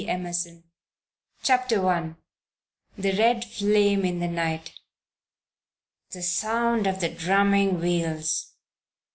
Emerson, 1913 CHAPTER I THE RED FLAME IN THE NIGHT The sound of the drumming wheels!